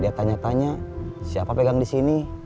dia datang ke sini dia tanya tanya siapa pegang di sini